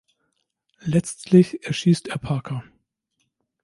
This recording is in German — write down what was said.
Letztlich erschießt er Parker.